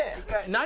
何？